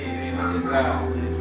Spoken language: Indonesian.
harga besar ya